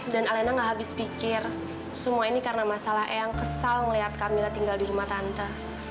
dan alena gak habis pikir semua ini karena masalah eyang kesal ngeliat kamila tinggal di rumah tante